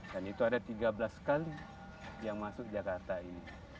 dan itu ada tiga belas kali yang masuk jakarta ini